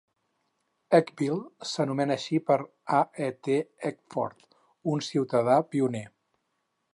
Eckville s'anomena així per A. E. T. Eckford, un ciutadà pioner.